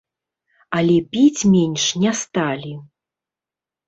Але піць менш не сталі.